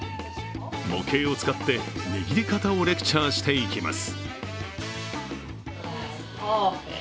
模型を使って握り方をレクチャーしていきます